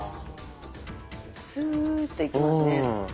スーッといきますね。